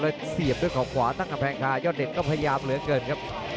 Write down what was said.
แล้วเสียบด้วยเขาขวาตั้งกำแพงคายอดเด็ดก็พยายามเหลือเกินครับ